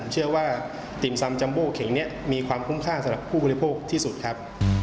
เชื่อว่าติ่มซำจัมโบเข็งนี้มีความคุ้มค่าสำหรับผู้บริโภคที่สุดครับ